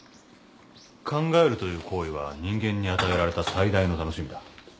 考えるという行為は人間に与えられた最大の楽しみだ。